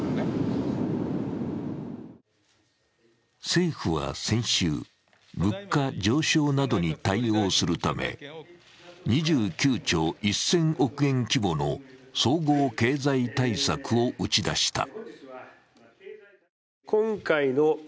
政府は先週、物価上昇などに対応するため２９兆１０００億円規模の総合経済対策を打ち出した。